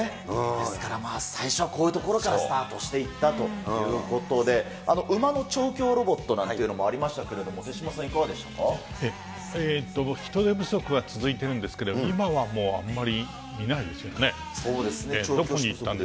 ですから最初はこういうところからスタートしていったということで、馬の調教ロボットなんていうのもありましたけれども、手嶋さん、人手不足が続いてるんですけど、今はもうあんまり見ないですよね。